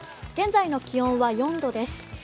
現在の気温は４度です。